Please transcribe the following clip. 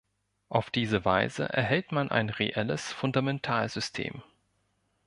Auf diese Weise erhält man ein reelles Fundamentalsystem.